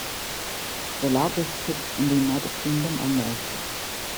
The largest ticks in the United Kingdom are mole ticks.